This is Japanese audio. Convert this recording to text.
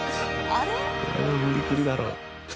これは無理くりだろ。